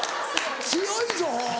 強いぞ。